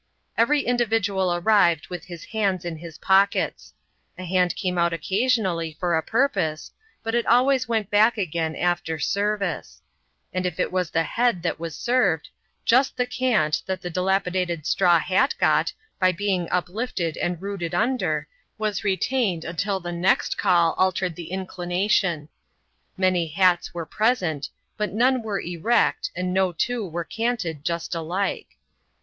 Every individual arrived with his hands in his pockets; a hand came out occasionally for a purpose, but it always went back again after service; and if it was the head that was served, just the cant that the dilapidated straw hat got by being uplifted and rooted under, was retained until the next call altered the inclination; many hats were present, but none were erect and no two were canted just alike.